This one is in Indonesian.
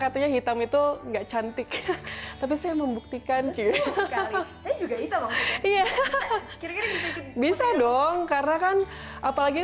katanya hitam itu enggak cantik tapi saya membuktikan saya juga hitam bisa dong karena kan apalagi